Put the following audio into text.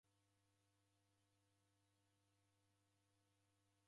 Ughu mwaka ghusirie.